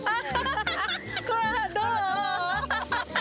どう？